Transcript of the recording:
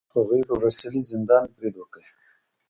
هغوی په باستیلي زندان برید وکړ.